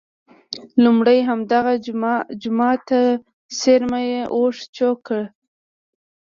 لومړی همدغه جوما ته څېرمه یې اوښ چوک کړ.